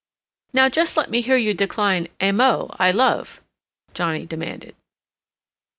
"Now, just let me hear you decline 'amo'—I love," Johnnie demanded.